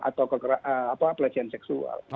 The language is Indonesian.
atau kekerasan atau apelasi seksual